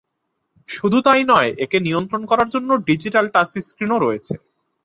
শুধু তাই নয়, একে নিয়ন্ত্রণ করার জন্য ডিজিটাল টাচ স্ক্রিনও রয়েছে।